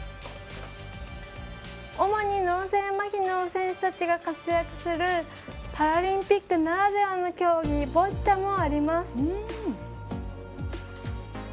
主に脳性まひの選手たちが活躍するパラリンピックならではの競技ボッチャもあります。